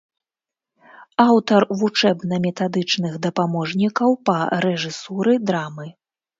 Аўтар вучэбна-метадычных дапаможнікаў па рэжысуры драмы.